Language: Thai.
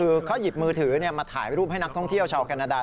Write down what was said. คือเขาหยิบมือถือมาถ่ายรูปให้นักท่องเที่ยวชาวแคนาดา